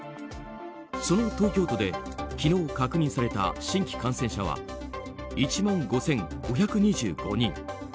その東京都で昨日確認された新規感染者は１万５５２５人。